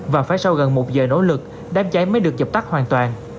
và phải sau gần một giờ nỗ lực đám cháy mới được dập tắt hoàn toàn